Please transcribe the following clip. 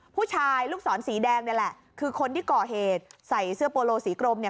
ผู้ชายลูกศรสีแดงนี่แหละคือคนที่ก่อเหตุใส่เสื้อโปโลสีกรมเนี่ย